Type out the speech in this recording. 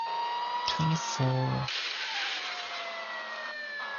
This technology provided the foundation for nearly all vertical safety methods to come.